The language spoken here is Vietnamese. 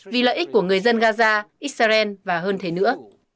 vì lợi ích của người dân gaza israel và hơn thế nữa